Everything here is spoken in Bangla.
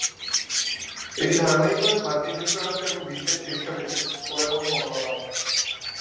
এটি ধারাবাহিকভাবে মার্কিন যুক্তরাষ্ট্র এবং বিশ্বের শীর্ষ বিজনেস স্কুলের মধ্যে অন্যতম।